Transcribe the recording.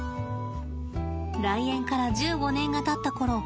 来園から１５年がたったころ